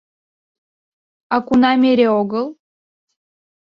— А кунам эре огыл?